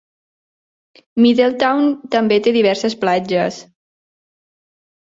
Middletown també té diverses platges.